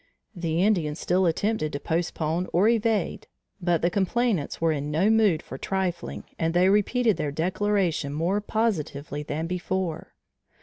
The Indians still attempted to postpone or evade, but the complainants were in no mood for trifling and they repeated their declaration more positively than before.